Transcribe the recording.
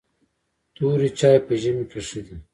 توري چای په ژمي کې ښه دي .